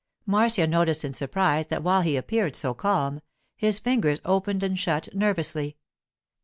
Marcia noticed in surprise that while he appeared so calm, his fingers opened and shut nervously.